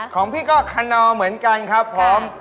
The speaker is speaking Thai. ของพี่ก็คนนอเหมือนกันครับผม